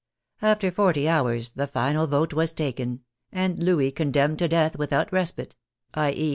After forty hours, the final vote was taken, and Louis condemned to " death without respite," i. e.